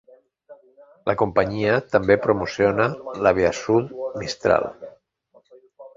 La companyia també promociona l"Aviasud Mistral.